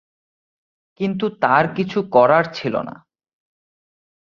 কিন্তু তার কিছু করার ছিলনা।